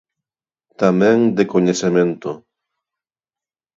Tamén de coñecemento.